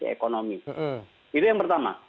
ekonomi itu yang pertama